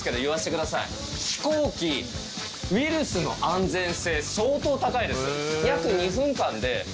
飛行機ウイルスの安全性相当高いです。